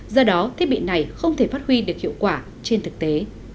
do đó thiết bị này không thể phát huy được hiệu quả trên thực tế